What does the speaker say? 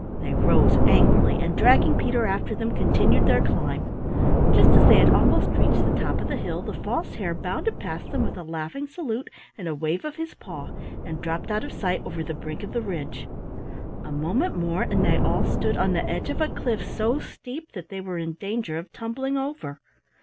They rose angrily and dragging Peter after them, continued their climb. Just as they had almost reached the top of the hill, the False Hare bounded past them with a laughing salute and a wave of his paw, and dropped out of sight over the brink of the ridge. A moment more and they all stood on the edge of a cliff so steep that they were in danger of tumbling over.